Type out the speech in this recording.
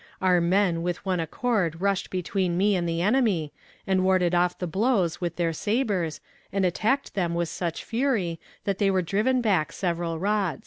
Our men with one accord rushed between me and the enemy, and warded off the blows with their sabers, and attacked them with such fury that they were driven back several rods.